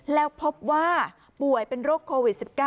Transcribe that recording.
แล้วพบว่าป่วยเป็นโรคโควิด๑๙